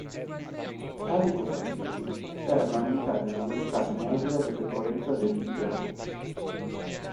Tali postazioni servono a limitare la velocità media di percorrenza dell'intera corsa.